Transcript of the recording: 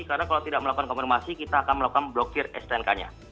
karena kalau tidak melakukan konfirmasi kita akan melakukan blokir stnk nya